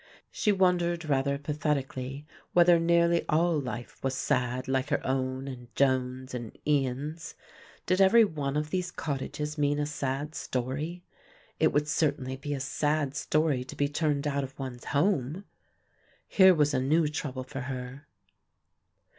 She wondered rather pathetically whether nearly all life was sad like her own and Joan's and Ian's. Did every one of these cottages mean a sad story? It would certainly be a sad story to be turned out of one's home. Here was a new trouble for her.